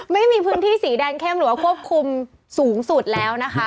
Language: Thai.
ไม่มีพื้นที่สีแดงเข้มหรือว่าควบคุมสูงสุดแล้วนะคะ